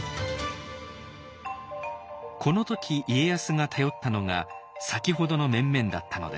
この時家康が頼ったのが先ほどの面々だったのです。